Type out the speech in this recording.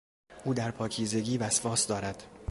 او در پاکیزگی وسواس دارد.